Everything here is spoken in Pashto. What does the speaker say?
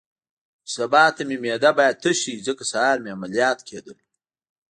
چې سبا ته مې معده باید تشه وي، ځکه سهار مې عملیات کېدل.